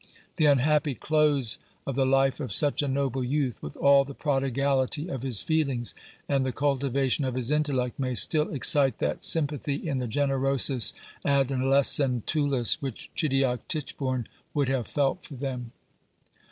The unhappy close of the life of such a noble youth, with all the prodigality of his feelings, and the cultivation of his intellect, may still excite that sympathy in the generosis adolescentulis, which Chidiock Titchbourne would have felt for them!